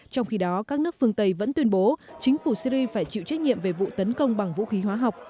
trong khi đó các nước phương tây vẫn tuyên bố chính phủ syri phải chịu trách nhiệm về vụ tấn công bằng vũ khí hóa học